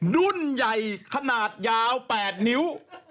รุ่นใหญ่ขนาดยาว๘นิ้ว